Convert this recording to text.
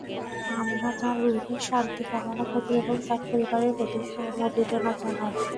আমরা তাঁর রুহের শান্তি কামনা করি এবং তাঁর পরিবারের প্রতি সমবেদনা জানাই।